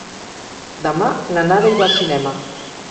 Demà na Nara irà al cinema.